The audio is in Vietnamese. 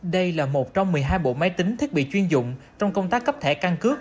đây là một trong một mươi hai bộ máy tính thiết bị chuyên dụng trong công tác cấp thẻ căn cước